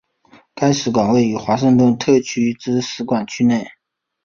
该使馆位于华盛顿特区之使馆区内。